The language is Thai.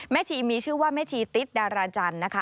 ชีมีชื่อว่าแม่ชีติ๊ดดาราจันทร์นะคะ